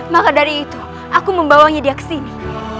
maka dari itu aku membawanya dia ke sini